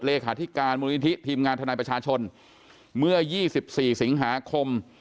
เลขาธิการมูลนิธิทีมงานทนายประชาชนเมื่อ๒๔สิงหาคม